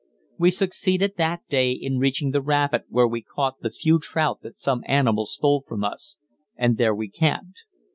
We succeeded that day in reaching the rapid where we caught the few trout that some animal stole from us, and there we camped.